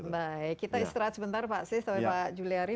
baik kita istirahat sebentar pak sis tapi pak juliari